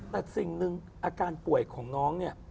แต่สิ่งหนึ่งอาการป่วยของน้องเนี่ย